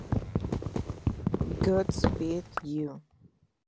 Godspeed You!